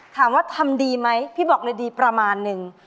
ถามว่าทำดีไหมพี่บอกเลยดีประมาณนึง